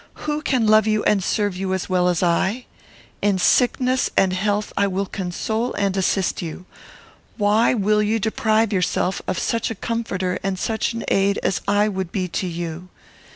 Who can love you and serve you as well as I? In sickness and health, I will console and assist you. Why will you deprive yourself of such a comforter and such an aid as I would be to you?